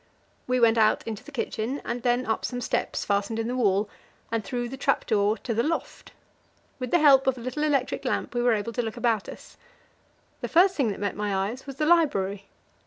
We went out into the kitchen, and then up some steps fastened in the wall, and through the trap door to the loft. With the help of a little electric lamp, we were able to look about us. The first thing that met my eyes was the library.